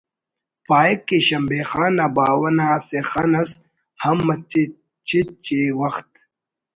پاہک کہ شمبے خان نا باوہ نا اسہ خن اس ہم مچے چِچ ءِ وخت